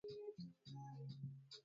viazi lishe Vikiiva ipua